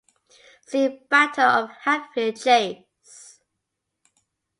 See Battle of Hatfield Chase.